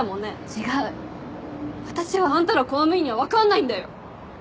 違う私は。あんたら公務員には分かんないんだよ！